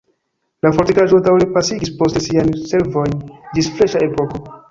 La fortikaĵo daŭre pasigis poste siajn servojn ĝis freŝa epoko.